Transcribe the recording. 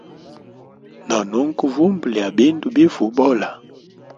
No nunka vumba lya bindu bifa ubola.